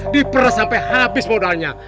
diperes sampai habis modalnya